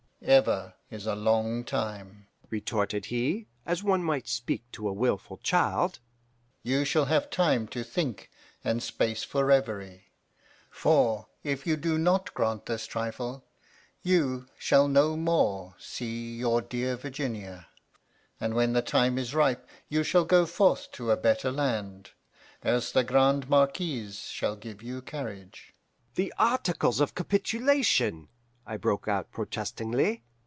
"'Ever is a long time,' retorted he, as one might speak to a wilful child. 'You shall have time to think and space for reverie. For if you do not grant this trifle you shall no more see your dear Virginia; and when the time is ripe you shall go forth to a better land, as the Grande Marquise shall give you carriage.' "'The Articles of Capitulation!' I broke out protestingly.